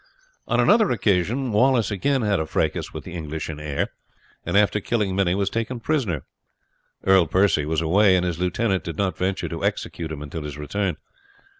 On another occasion he again had a fracas with the English in Ayr, and after killing many was taken prisoner. Earl Percy was away, and his lieutenant did not venture to execute him until his return.